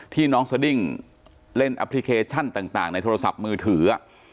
น้องสดิ้งเล่นแอปพลิเคชันต่างในโทรศัพท์มือถือ